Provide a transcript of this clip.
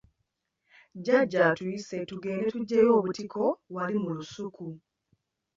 Jjajja atuyise tugende tuggye obutiko wali mu lusuku.